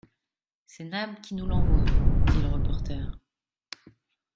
C’est Nab qui nous l’envoie ! dit le reporter.